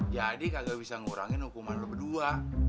jadi kagak bisa ngurangin hukuman lo berdua